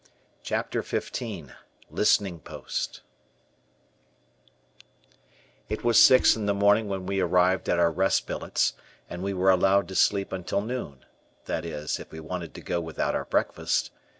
CHAPTER XV LISTENING POST It was six in the morning when we arrived at our rest billets, and we were allowed to sleep until noon; that is, if we wanted to go without our breakfast.